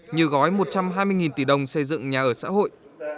như gói một trăm hai mươi tỷ đồng xây dựng nhà ở xã hội